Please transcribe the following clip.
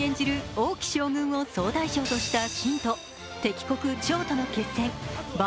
王騎将軍を総大将とした秦と敵国・趙との決戦馬